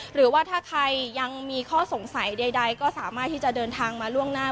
หรือว่าถ้าใครยังมีข้อสงสัยใดก็สามารถที่จะเดินทางมาล่วงหน้า